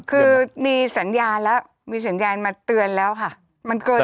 คือมีสัญญาณแล้วมีสัญญาณมาเตือนแล้วค่ะมันเกิน